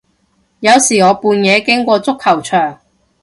有時我半夜經過足球場